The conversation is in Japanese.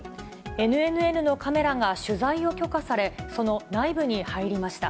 ＮＮＮのカメラが取材を許可され、その内部に入りました。